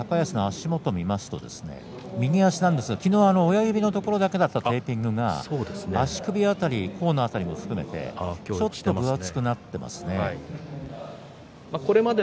高安の足元見ますと右足なんですけれども昨日、親指だけのところだったテーピングが足首辺り、甲のところを含めてちょっと厚くなってますね。